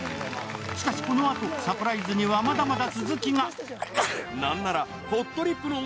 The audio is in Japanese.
しかしこのあと、サプライズにはまだまだ続きが。